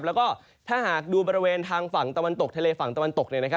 แล้วก็ถ้าหากดูบริเวณทางฝั่งตะวันตกทะเลฝั่งตะวันตก